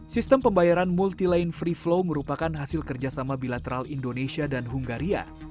sistem pembayaran multilain free flow merupakan hasil kerjasama bilateral indonesia dan hungaria